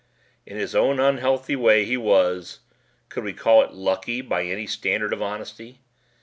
In his own unhealthy way he was could we call it "Lucky" by any standard of honesty?